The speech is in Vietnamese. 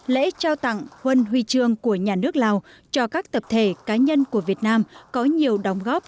lễ trao tặng huân huy trương của nhà nước lào cho các tập thể cá nhân của việt nam có nhiều đóng góp